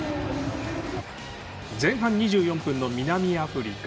前半２４分の南アフリカ。